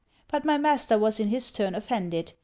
But my master was in his turn offended.